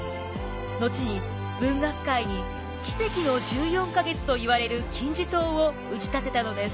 後に文学界に奇跡の１４か月といわれる金字塔を打ち立てたのです。